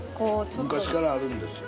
昔からあるんですよ。